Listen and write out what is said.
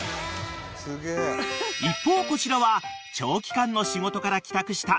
［一方こちらは長期間の仕事から］